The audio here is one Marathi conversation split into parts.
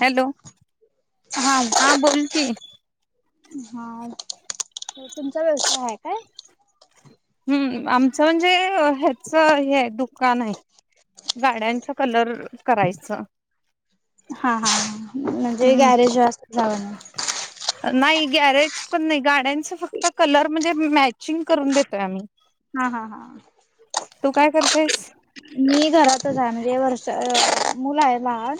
हॅलो,, हा बोल कि. हा, तुमचा व्यवसाय आहे काय? हम्म,, आमचं म्हणजे हेचऽ हेच हेय दुकान आहे,, गाड्यांचा कलर करायचंऽ हा, हा, म्हणजे हम्म गॅरेज वास्त झावऽ नाही गॅरेज पण नाही गाड्यांच फक्त कलर म्हणजे, मॅचिंग करून देतऽ त्यामहीऽ हा, हा, हा तू काय करतायस? मी घरातच आहे म्हणजे वर्षऽ. मुलं आहे लहान,,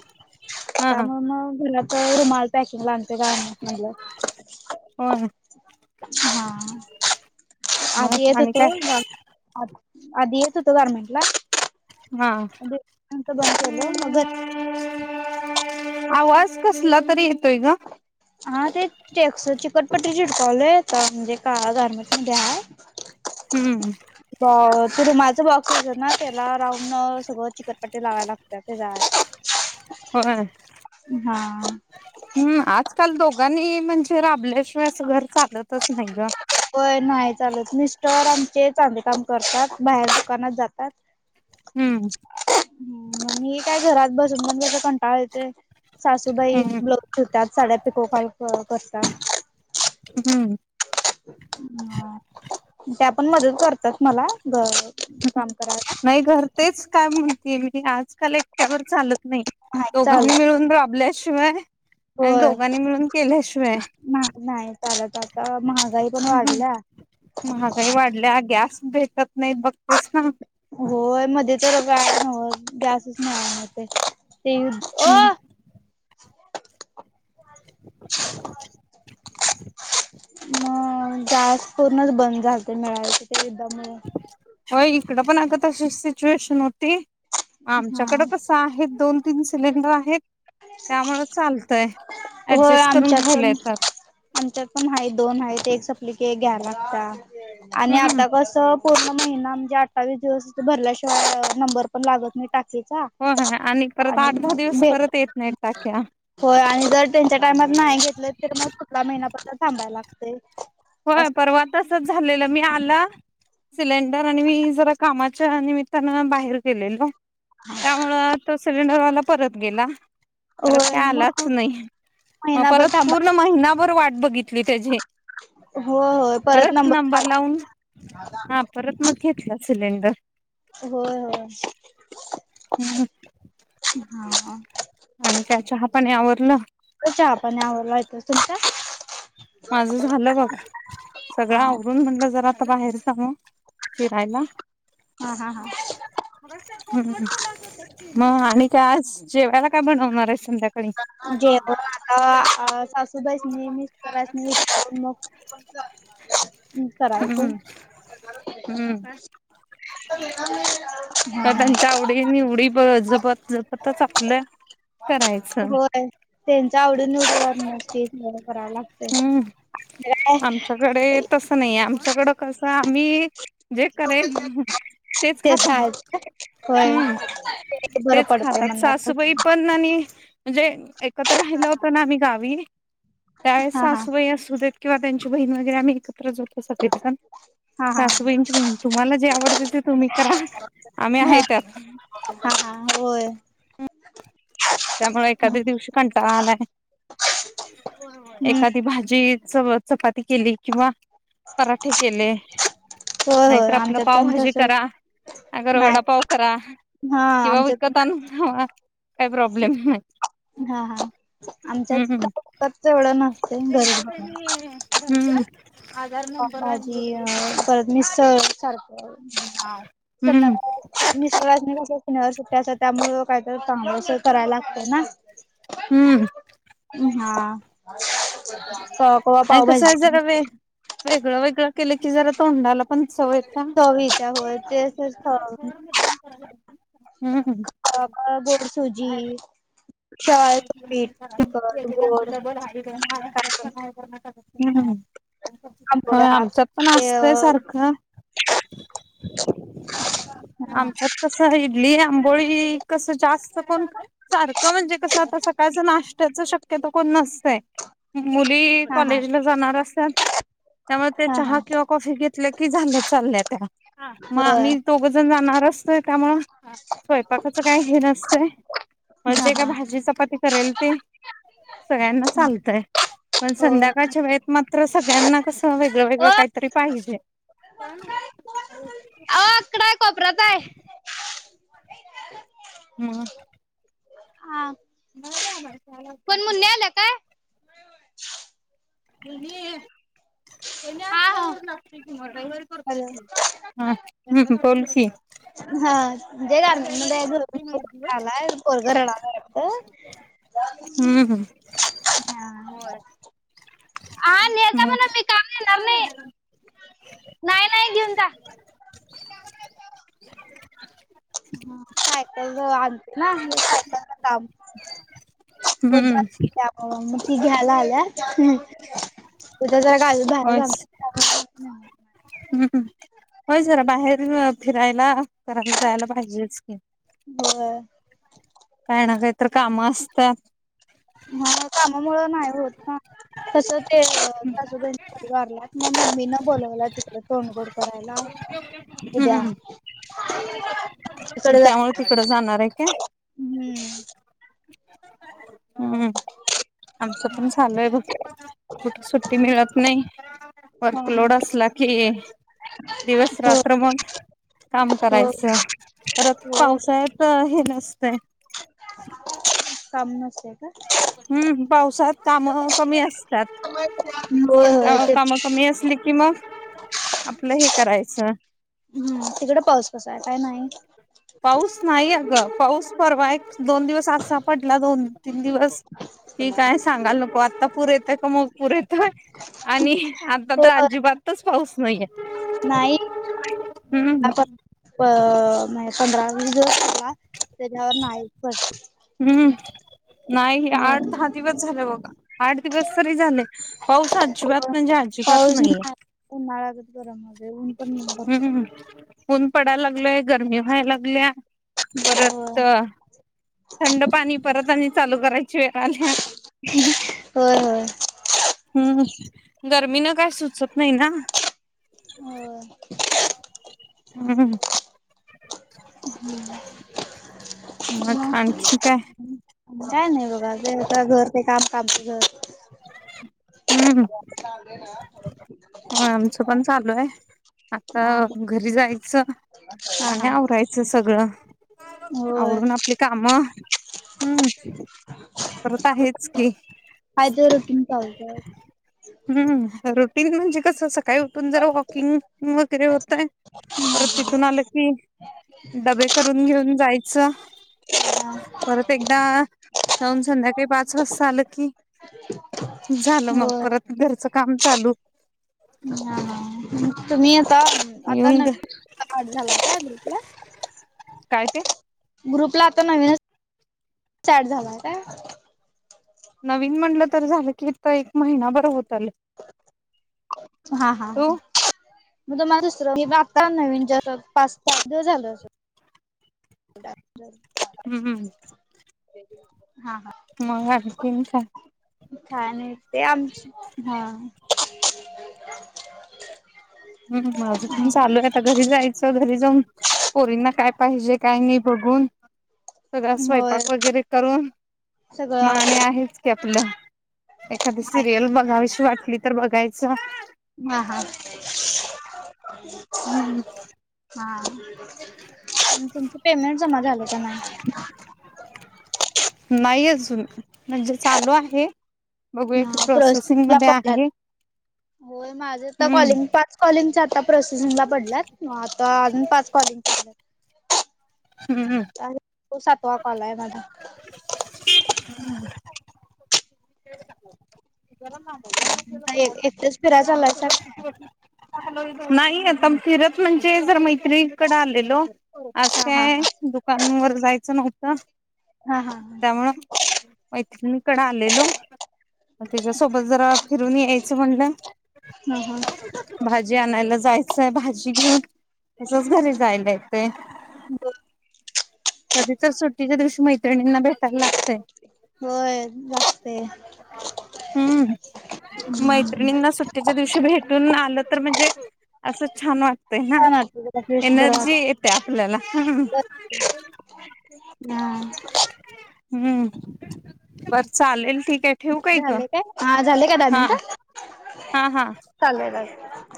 हा त्यामुळे मग घरातच रुमाल पॅकिंग ला आणतोय गारमेंट मधलं. होय, हा,, मग आधी येत आणि काय होतोऽ. आ आधी येत होतो,, गारमेंट ला हा बंद केलं,, मग घरऽ आवाज कसला तरी येतोय ग? हा तेच टस चिकटपट्टी चिटकावलं आहे आता म्हणजे का गारमेंटमध्ये् आय. हम्म, त रुमाल च बॉक्स असंत ना त्याला राऊंड सगळं चिकटऽ पटी लावाय लागतात ते जाऽऽ होय, हा हम्म आजकाल दोघांनी म्हणजे राबल्याशिवाय असं घर चालतच नाही ग होय नाही चालत मिस्टर आमचे चांदी काम करतात बाहेर दुकानात जातात [inaudible] हम्म. मी काय घरात बसून पण त्या कंटाळच येतोय सासूबाई हम्म ब. तव त्यात साड्या पिको फॉल करतात. हम्म ह त्या पण मदत करतात मला काम कराय नाही घर तेच, काय म्हणते मी आजकाल एकट्यावर चालत नाही. दोघांनी मिळून राबल्याशिवाय,, आणि होय दोघांनी मिळून केल्याशिवायऽ नाही चालत. आता महागाई पण हम्,, वाढल्या महागाई वाढल्या, ग्यास भेटऽ त नाहीत बघतेस ना. हो मध्ये तर काय जासच नाहीणार ते ते हम. अ [inaudible] मग गॅस पूर्णच बंद झालत मिळायचं ते युद्धामुळे. हो इकड पण अगं तशी सिच्युएशन होती. हा आमच्याकडं कसं आहे दोन तीन सिलेंडर आहेत त्यामुळें चालतय ऍडजस्ट करून घ्यायला येतात आच्यार पण आहे दोन आहे ते एक सपलिकी घ्या लागता आणि हम्म आता कसं पूर्ण महिना म्हणजे अठ्ठावी दिवस भरल्याशिवाय नंबर पण लागत मी टाक हो आणि परत आठ दहा दिवस भेट परत येत नाहीत टाक्या होय आणि जर त्यांच्या टायमात नाही घेतले तर मग पुढल्या महिनापद्ल थांबायला लागते होय परवा तसच झालेलं मी आलं. सिलेंडर आणि मी जरा कामाच्या निमित्तानं बाहेर गेलेलो. त्यामुळं आता सिलेंडरवाला परत गेला. परत होय काय आलाच मग नाही मग महिनाभर परत थांबा पूर्ण महिनाभर वाट बघितली त्याची होय होय परत नंबर काढ लावून हा परत मग घेतला सिलेंडर होय होय हम्म हा. आणि त्या चहा पानी आवरलं. आपण आवरला येतो तुमच्या? माझं झालं बघ सगळं हा आवरून म्हणलं जरा आता बाहेर सांग फुरायला हा हा हा. मग आणि काय आज जेवायला काय बनवणार आहे संध्याकाळी जे आता सासूबाईसनी मिस्टरास्नी विचारून मग मग करयच. हम्म हम्म [unintelligible] म त्यांच्या आवडी निवडी प जपत जपतच आपलं. करायचं होय त्यांच आवडून उभ करण्याची बर कराव लागतेलामग काय कडे तस नाही आमच्याकडं कसं आम्ही जे करेल तेच खातो खायचं होय. हम्म ते बरं तेच पडतंय खातात म्हणलं सासूबाई पण आणि म्हणजे एकत्र राहिलं होतं ना आम्ही गावी त्यावेळेस हा हा. सासूबाई असू देत किंवा त्यांची बहीण वगैरे आम्ही एकत्र जोतो सगण हा हा सासूबाईंची पण तुम्हाला जे आवडते ते तुम्ही करा आम्ही हा आहे त्यात. हा होय. त्यामुळे एखाद्या दिवशी कंटाळा आलाय. होय होय, हम्म एखादी भाजी च चपाती केली किंवा पराठे केले. होय होय नाहीतर आपलं आमच्यात पण पावभाजी तसंच करा अगर नाही वडापाव करा. हा किंवा आमच्यात विकत आणून खावा काही प्रॉब्लेम नाही. हा हा आमच्यात हम्म हम्म. काय विकतच एवढं नसतय घरी बनऊन हम्. पावभजी अ परत मिसळ सारखं - हम्म मिस्टरासनी कस - उन्हाळ्या सुट्ट्या असत्यात यामुळ कायतर चांगल अस करायला लागतय ना. हम्म हा कवा कवा आणि कसं आहे पावभजी जरा वे वेगळं वेगळं केल की जरा तोंडाला पं सवय थ चवीच्या होय तेच गोड सुजी. शेवाळ्याचं पीठ तिखट एकेकांचं गोड डबल आहै महाराष्ट्रात पण काय आहै आणि कर्नाटका त पण आहै. ह आंबोळ्या आमच्यात पण ते असतय सारखं. हा आमच्या कस इडली आंबोळी कसं जास्त कोण सारखं म्हं कस आता सकाळच नाश्त्याचं शक्यतो कोण नसतय, मुली हा कॉलेज ला जाणार असतात त्यामुळे ते हा चहा हा किंवा कॉफी घेतल्या कि झालं चालल्या त्या, हा म होय आम्ही दोघजण जाणार असतोय त्यामुळं स्वयंपाकाचं काय हे नसतंय. मग हा जे काय हा भाजी चपाती करेल ते सगळ्यांना हा चालतय. पण होय. संध्याकाळच्या वेळेत मात्र सगळ्यांना कसं वेगळं ओ वेगळं अ काहीतरी पाहिजे. का? इथ हाय कोपऱ्यात हाय. म बरोबर [unintelligible] मम्मी आल्या काय? तेणी, हयानी हा हा. असल्यावर लागतोय की मग रविवारी करतो हॅलो की, हा हम बोल की म्हणजे हा गार्मेंट मध्ये रविवारी आहे करतोय मी एक घरून दिवस आलाय पोरग रडायलय वाटतं - हम हम हा हा नेता म्हणा, मग मी का येणार नाही नाही -नाही घेऊन जा. [unintelligible] आणते ना का सायकल च काम वझ - हम्म त्यामुळ मग ती घ्यायला आल्यात उद्या जरा गावी बाहेर होयच जाणार - हम्म होय जरा बाहेर फिरायला करायला जायला पाहिजेच की. होय काही ना काहीतर कामं असत्यात. हा कामामुळें नाही होत ना तस ते सासुबईंच - [unintelligible] वारल्यात म मम्मी ना बोलावलय तिकड तोंडगोड करायला. उद्या हम् तिकडे जा त्यामुळे तिकड जाणार आहे काय? हम्म हम्म आमचं हा पण चालूय बघ कुठ सुट्टी मिळत नाही हा वर्कलोड असला की- दिवस- हो रात्र मग काम हो करायचं. परत हो पावसाळ्यात हे नसतय- काम नसतयच. हम्म पावसात काम कमी असतात. होय अ होय ते काम कमी असली कि मग आपलं हे करायचं ह तिकड पाऊस कसा आहे काय नाही पाऊस नाही अ ग पाऊस परवा एक दोन दिवस असा पडला दोन तीन दिवस कि काय सांगाल नको आता पुरेेत का मग पुरेेत आणि आता तर हो अजिबातच पाऊस नाहीये नाही हम्म म्ह पंधरा वस दिवसला त्याच्यावर नाईक प हम्म नाही हे आठ दहा दिवस झाले बघा आठ दिवस तरी झाले पाऊस अजिबात म्हणजे अजिबात पाऊस नाहीये [inaudible] ऊन पण भरपूर - हम्म ऊन पडायला लागलय गरमी व्हायला लागल्या परत- होय. थंड पाणी परत आणि चालू करायची वेळ आल्या. होय हम्म गर्मीनं काय सुचत नाही ना. होय हम ह् मग आणखीन काय ह काय नाही बघा ज घर ते काम काम घर हम् ह ह ना हो आमचं पण चालू आहे आता हा घरी जायचं आणि हा आवरायचं सगळ होय आवरून आपली काम. आ मग हम्म करत आहेच की. हाय ते रुटीन चालत [inaudible] म्हणजे कस सकाळी उठून जर वॉकिंग वगैरे होतय पर तिथून आलं कि डबे करून घेऊन जायचं [unintelligible] परत एकदा जाऊन संध्याकाळी पाच वाजता आलं की. झालं मग होय परत घरचं काम चालू हा तुम्ही आता आता येऊन घ- नवीन झाला काप काय ते ग्रुपला आता नवीनच स्टार्ट झालाय का नवीन म्हणलं तर झालं की एक महिना बरं होत आलय. हा हा तो मग तुला दुसरं आता नवीन जस पा फायद झाल हम्म हम्म. हा हा मंग अनकीन काय. [inaudible] हम्म माझ पण चालू आहे आता घरी जायच चौधरी जाऊन पोरींना काय पाहिजे काय नाही बघून स होय स्वयंपाक वगैरे करून सगळं माने आवड आहेच की आपलं एखादी सिरियल बघावीशी वाटली तर बघायचं हा हा [unintelligible] हम्म हम्म हा प तुमच पेमेंट जमा झालं का नाही नाही अजुन. म्हणजे चालू आहे बघूया की हा प्रोसेसिंग प्रोसेसिंगला मध्ये पडलात. आहे होय माझं तर हम्म कॉलिंग पाच कॉलिंग आता प्रोससरला पडलात म आता अजून पाच कॉलिंग. हम्म अर त सातवा कॉल आहे माझा [unintelligible] एकटेच फिराय चालायसा [unintelligible] नाही आता फिरत म्हणजे जर मैत्रीकडे आलेलो आज काय दुकानवर जायचं नव्हतं. हा हा हा त्यामुळं मैत्रीण कड आलेलो त्याच्यासोबत जरा फिरून यायचं म्हणलं हा हा हा भाजी आणायला जायचंय भाजी घेऊन तसच घरी जायला येतंय. [inaudible] कधी तर सुट्टीच्या दिवशी मैत्रिणींना भेटायला लागतंय. होय जास्त हाय. ना सुट्टेच्या दिवशी भेटून आलं तर म्हणजे असं छान वाटत ना छान वाटतंय जरा फ्रेश बरं एनर्जी वाटतंय येते आपल्याला हा. हम्म बर चालेल ठीक आहे ठेवू काय ग हा [inaudible] हा हा चालेलेल य